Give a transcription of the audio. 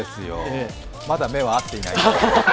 まだ目が合っていない。